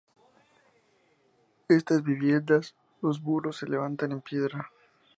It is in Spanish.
En estas viviendas los muros se levantan en piedra.